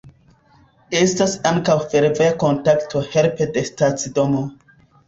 Estas ankaŭ fervoja kontakto helpe de stacidomo.